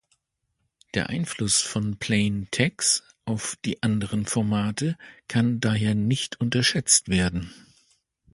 Der Einfluss von plain TeX auf die anderen Formate kann daher nicht unterschätzt werden.